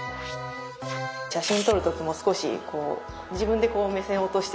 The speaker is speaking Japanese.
写真撮る時も少し自分でこう目線を落として。